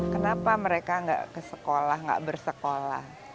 kenapa mereka gak ke sekolah gak bersekolah